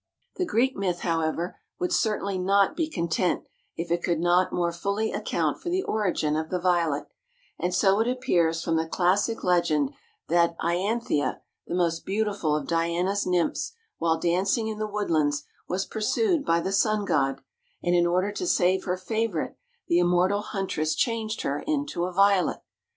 The Greek myth, however, would certainly not be content if it could not more fully account for the origin of the Violet, and so it appears from the classic legend that Ianthea, the most beautiful of Diana's nymphs, while dancing in the woodlands, was pursued by the sun god, and in order to save her favorite the immortal huntress changed her into a Violet.